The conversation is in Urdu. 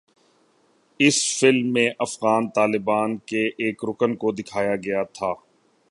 اس فلم میں افغان طالبان کے ایک رکن کو دکھایا گیا تھا